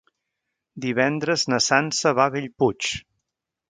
Divendres na Sança va a Bellpuig.